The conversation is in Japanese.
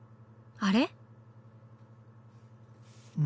あれ？